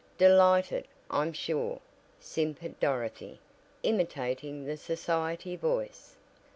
"Delighted, I'm sure!" simpered Dorothy, imitating the society voice.